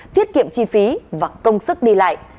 thiết kiệm chi phí và công sức đi lại